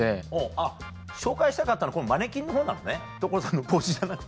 あっ紹介したかったのマネキンのほうなのね所さんの帽子じゃなくて。